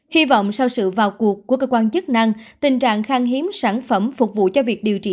hy vọng sau sự vào cuộc của cơ quan chức năng tình trạng khang hiếm sản phẩm phục vụ cho việc điều trị